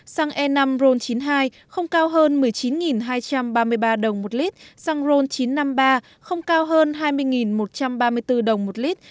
xăng e năm ron chín mươi hai không cao hơn một mươi chín hai trăm ba mươi ba đồng một lít xăng ron chín trăm năm mươi ba không cao hơn hai mươi một trăm ba mươi bốn đồng một lít